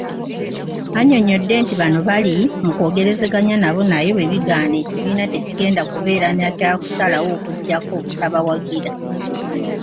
Anyonyodde nti bano bali mukwogerezeganya nabo naye bwebigaana, ekibiina tekigenda kubeera nakyakusalawo okuggyako obutabawagira.